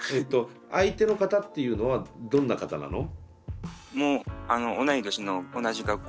相手の方っていうのはどんな方なの？も同い年の同じ学校。